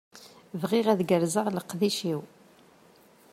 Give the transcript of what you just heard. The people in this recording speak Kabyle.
Bɣiɣ ad gerrzeɣ leqdic-iw.